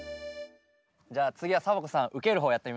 じゃあつぎはサボ子さんうけるほうやってみましょう。